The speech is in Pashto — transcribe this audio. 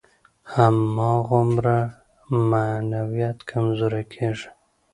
هماغومره معنویت کمزوری کېږي.